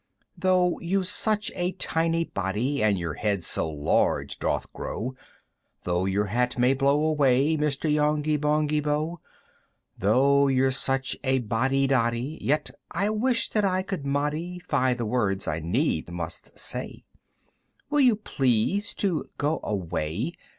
"Though you've such a tiny body, "And your head so large doth grow, "Though your hat may blow away, "Mr. Yonghy Bonghy Bò! "Though you're such a Boddy Doddy "Yet I wish that I could modi "fy the words I needs must say! "Will you please to go away?